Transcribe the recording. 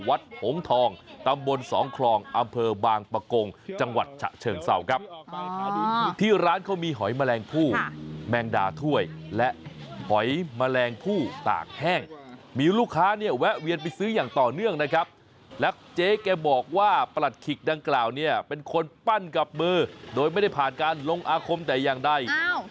หงทองตำบลสองคลองอำเภอบางปะกงจังหวัดฉะเชิงเศร้าครับที่ร้านเขามีหอยแมลงผู้แมงดาถ้วยและหอยแมลงผู้ตากแห้งมีลูกค้าเนี่ยแวะเวียนไปซื้ออย่างต่อเนื่องนะครับและเจ๊แกบอกว่าประหลัดขิกดังกล่าวเนี่ยเป็นคนปั้นกับมือโดยไม่ได้ผ่านการลงอาคมแต่อย่างใด